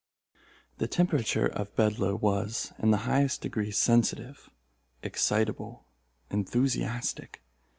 The temperature of Bedloe was, in the highest degree sensitive, excitable, enthusiastic.